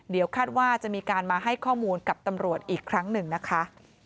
เดี๋ยวคาดว่าจะมีการมาให้ข้อมูลกับตำรวจอีกครั้งหนึ่งนะคะ